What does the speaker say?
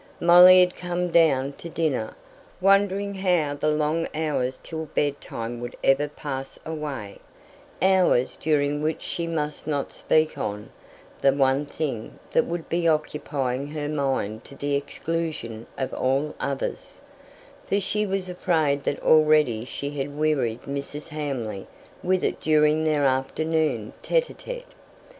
Molly had come down to dinner, wondering how the long hours till bedtime would ever pass away: hours during which she must not speak on the one thing that would be occupying her mind to the exclusion of all others; for she was afraid that already she had wearied Mrs. Hamley with it during their afternoon tÉte ł tÉte.